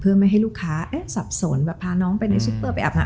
เพื่อไม่ให้ลูกค้าสับสนแบบพาน้องไปในซุปเปอร์ไปแอบหา